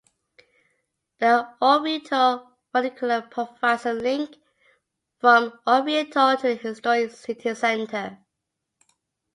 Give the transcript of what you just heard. The Orvieto funicular provides a link from Orvieto to the historic city centre.